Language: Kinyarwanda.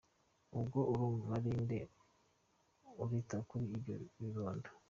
Ubwo urumva ari inde urita kuri ibyo bibondo?”.